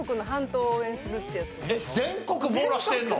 えっ全国網羅してんの？